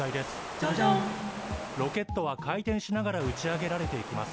「ジャジャン」ロケットは回転しながら打ち上げられていきます。